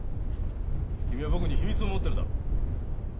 君は僕に秘密を持ってるだろう！